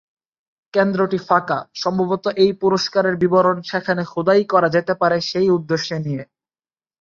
কেন্দ্রটি ফাঁকা, সম্ভবত এই পুরস্কারের বিবরণ সেখানে খোদাই করা যেতে পারে সেই উদ্দেশ্য নিয়ে।